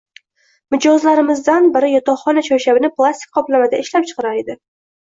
Mijozlarimizdan biri yotoqxona choyshabini plastik qoplamada ishlab chiqarar edi.